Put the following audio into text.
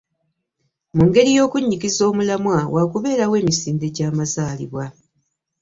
Mu ngeri y'okunyikiza omulamwa, wa kubeerawo emisinde gy'amazaalibwa